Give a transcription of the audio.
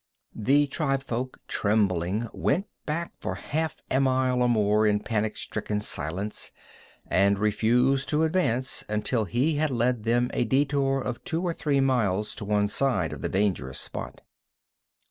The tribefolk, trembling, went back for half a mile or more in panic stricken silence, and refused to advance until he had led them a detour of two or three miles to one side of the dangerous spot.